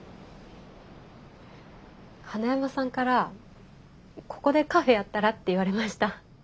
花山さんから「ここでカフェやったら？」って言われました。